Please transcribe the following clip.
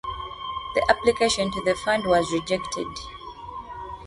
The application to the fund was rejected.